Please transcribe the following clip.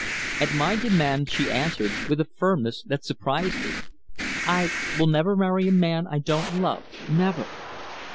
At my demand she answered, with a firmness that surprised me, "I will never marry a man I don't love never."